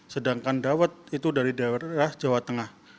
sedangkan dawet itu dari daerah jawa tengah